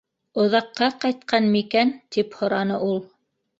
— Оҙаҡҡа ҡайтҡан микән? — тип һораны ул.